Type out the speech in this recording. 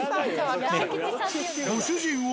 ご主人を。